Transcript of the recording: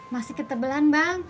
masih ketebelan bang